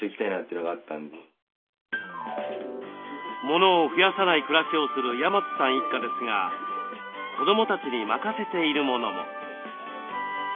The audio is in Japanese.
モノを増やさない暮らしをする山津さん一家ですが子どもたちに任せているものも。